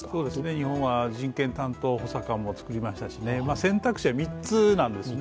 日本は人権担当補佐官も作りましたし、選択肢は３つです。